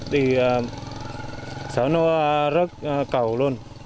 thì xã nó rớt cầu luôn